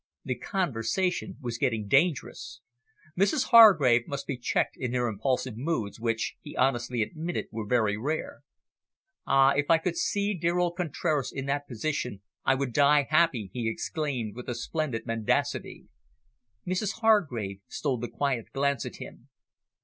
The conversation was getting dangerous. Mrs Hargrave must be checked in her impulsive moods, which, he honestly admitted, were very rare. "Ah, if I could see dear old Contraras in that position I would die happy," he exclaimed, with a splendid mendacity. Mrs Hargrave stole a quiet glance at him.